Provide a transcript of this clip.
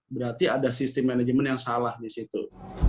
berarti ada sistem manajemen yang salah di situ